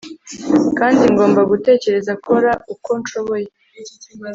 Kandi ngomba gutekereza kora uko nshoboye